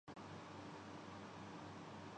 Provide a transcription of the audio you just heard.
امریکہ formula electric race میں Jean Eric بازی لے گئے